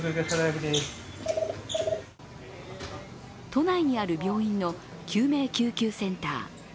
都内にある病院の救命救急センター。